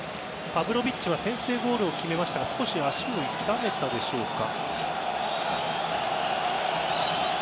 パヴロヴィッチは先制ゴールを決めましたが少し足を痛めたでしょうか。